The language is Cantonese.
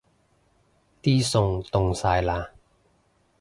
啲餸凍晒喇